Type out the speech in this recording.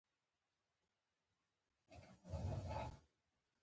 د بڼو پر بام یې ناست وي انتظار د دیدنونه